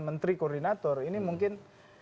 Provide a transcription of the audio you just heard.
menteri koordinator ini mungkin